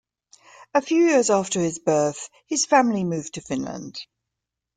A few years after his birth, his family moved to Finland.